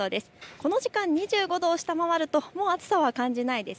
この時間、２５度を下回るともう暑さは感じないです。